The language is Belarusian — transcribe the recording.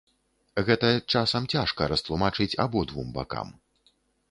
Гэта часам цяжка растлумачыць абодвум бакам.